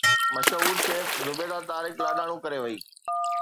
مشهور شيف زبيده طارق لاڏاڻو ڪري وئي